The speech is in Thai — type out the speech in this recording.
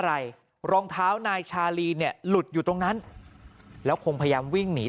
อะไรรองเท้านายชาลีเนี่ยหลุดอยู่ตรงนั้นแล้วคงพยายามวิ่งหนี